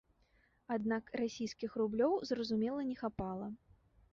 Аднак расійскіх рублёў, зразумела не хапала.